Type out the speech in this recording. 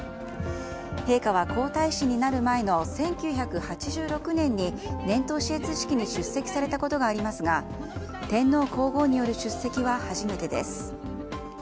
陛下は皇太子になる前の１９８６年に年頭視閲式に出席されたことがありますが天皇・皇后による出席は初めてです。